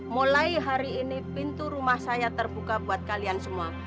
mulai hari ini pintu rumah saya terbuka buat kalian semua